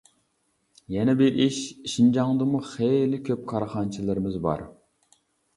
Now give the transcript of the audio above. يەنە بىر ئىش، شىنجاڭدىمۇ خېلى كۆپ كارخانىچىلىرىمىز بار.